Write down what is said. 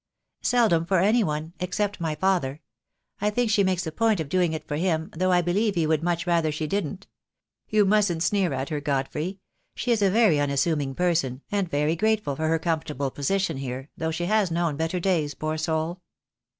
"Seldom for anyone except my father. I think she makes a point of doing it for him, though I believe he would much rather she didn't. You mustn't sneer at her, Godfrey. She is a very unassuming person, and very grateful for her comfortable position here, though she has known better days, poor soul."